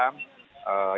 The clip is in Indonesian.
yang terindikasi positif